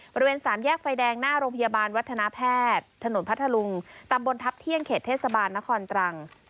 บริเวณสามแยกไฟแดงหน้าโรงพยาบาลวัฒนาแพทย์ถนนพัทธลุงตำบลทัพเที่ยงเขตเทศบาลนครตรัง